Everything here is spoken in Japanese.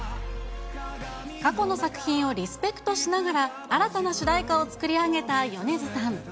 過去の作品をリスペクトしながら、新たな主題歌を作り上げた米津さん。